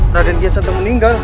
raden kian satang meninggal